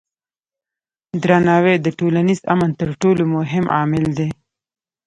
درناوی د ټولنیز امن تر ټولو مهم عامل دی.